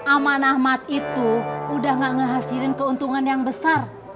aman ahmad itu udah gak ngehasilin keuntungan yang besar